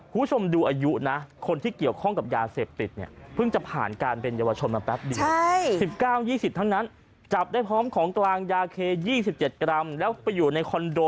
ผู้ชมดูอายุนะคนที่เกี่ยวข้องกับยาเสพติดเนี้ยเพิ่งจะผ่านการเป็นญวชนมาแป๊บดีใช่สิบก้าวยี่สิบทั้งนั้นจับได้พร้อมของกลางยาเคยี่สิบเจ็ดกรัมแล้วไปอยู่ในคอนโด